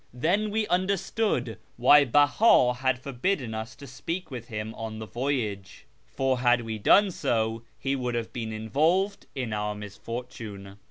Then we understood why Behii had forbidden us to speak with him on the voyage, for had we done so he would have been involved in our misfortune."